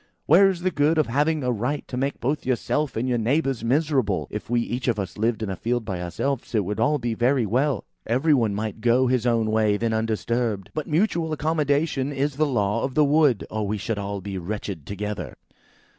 "Where is the good of having a right to make both yourself and your neighbours miserable? If we each of us lived in a field by ourselves, it would be all very well. Every one might go his own way then undisturbed. But mutual accommodation is the law of the wood, or we should all be wretched together."